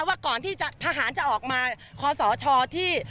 ว่าก่อนที่ทหารจะออกมาคอสชที่